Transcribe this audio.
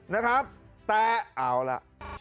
นะครับแต่เอาล่ะ